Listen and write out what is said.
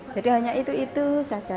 jadi hanya itu itu saja